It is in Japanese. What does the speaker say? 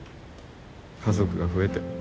家族が増えて。